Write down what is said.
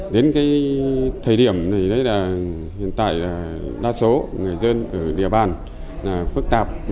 đến thời điểm này hiện tại đa số người dân ở địa bàn phức tạp